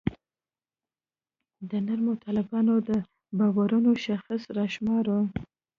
د نرمو طالبانو د باورونو شاخصې راشماري.